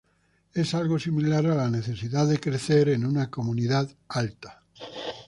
Es algo similar a la necesidad de crecer en una comunidad alta.